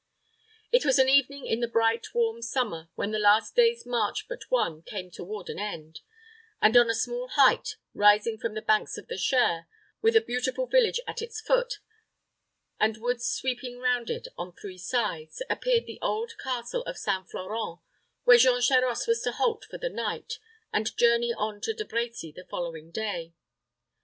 It was an evening in the bright, warm summer, when the last day's march but one came toward an end; and on a small height rising from the banks of the Cher, with a beautiful village at its foot, and woods sweeping round it on three sides, appeared the old castle of St. Florent, where Jean Charost was to halt for the night, and journey on to De Brecy the following day.